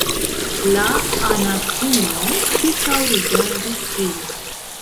La anasino ĉirkaŭrigardis ĝin.